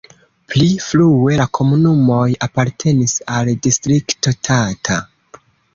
Pli frue la komunumoj apartenis al Distrikto Tata.